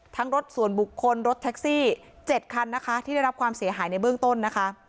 รถส่วนบุคคลรถแท็กซี่๗คันนะคะที่ได้รับความเสียหายในเบื้องต้นนะคะ